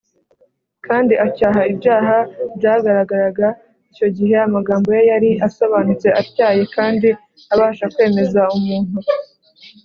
, kandi acyaha ibyaha byagaragaraga icyo gihe. Amagambo ye yari asobanutse, atyaye, kandi abasha kwemeza umuntu